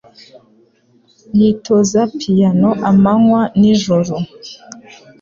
Yitoza piyano amanywa n'ijoro.